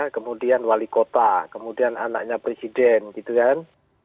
kemudian wali kota kemudian anaknya presiden gitu kan